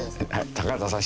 高畑さん